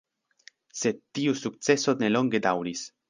Sed tiu sukceso nelonge daŭris.